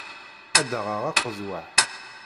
Ad d-aɣeɣ aqezwaḥ.